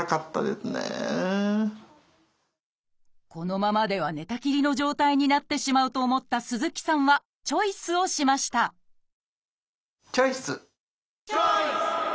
このままでは寝たきりの状態になってしまうと思った鈴木さんはチョイスをしましたチョイス！